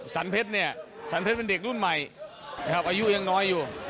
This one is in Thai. สันเพชรเป็นเด็กรุ่นใหม่อายุยังน้อยอยู่